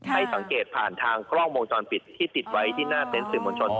ให้สังเกตผ่านทางกล้องวงจรปิดที่ติดไว้ที่หน้าเต็นต์สื่อมวลชน